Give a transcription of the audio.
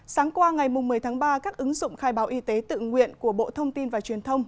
sáng qua ngày một mươi tháng ba các ứng dụng khai báo y tế tự nguyện của bộ thông tin và truyền thông